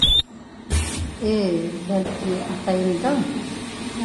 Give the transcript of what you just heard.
Э, бәлки, атайымдың: